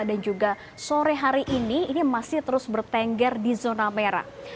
dan juga sore hari ini ini masih terus bertengger di zona merah